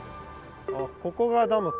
あここがダムか。